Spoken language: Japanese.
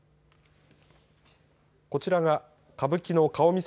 こちらが歌舞伎の顔見世